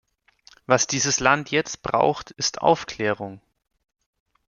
Was dieses Land jetzt braucht, ist Aufklärung.